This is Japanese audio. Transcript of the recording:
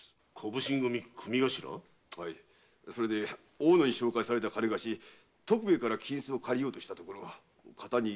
大野に紹介された金貸し・徳兵衛に金子を借りようとしたところカタに